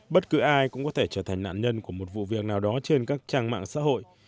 bất cứ ai cũng có thể trở thành nạn nhân của một vụ việc nào đó trên các trang mạng xã hội